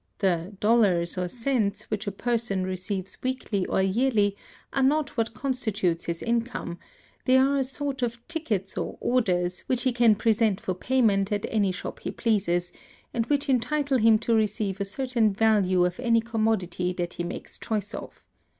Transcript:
The [dollars or cents] which a person receives weekly or yearly are not what constitutes his income; they are a sort of tickets or orders which he can present for payment at any shop he pleases, and which entitle him to receive a certain value of any commodity that he makes choice of.